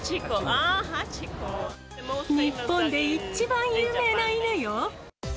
日本で一番有名な犬よ。